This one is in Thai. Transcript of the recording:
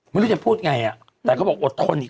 ไม่รู้จะพูดไงอ่ะแต่เขาบอกอดทนอีก